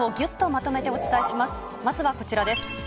まずはこちらです。